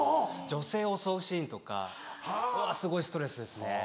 女性を襲うシーンとかはすごいストレスですね。